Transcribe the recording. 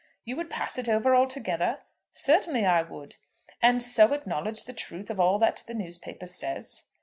"You would pass it over altogether?" "Certainly I would." "And so acknowledge the truth of all that the newspaper says."